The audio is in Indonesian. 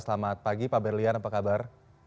selamat pagi pak berlian apa kabar